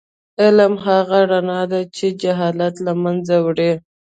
علم هغه رڼا ده چې جهالت له منځه وړي.